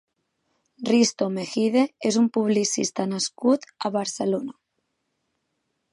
Risto Mejide és un publicista nascut a Barcelona.